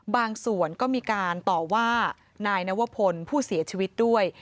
บางส่วนก็มีการต่อว่านายนวพลผู้เสียชีวิตด้วย